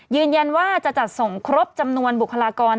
ยืนยันว่าจะจัดส่งครบจำนวนบุคลากร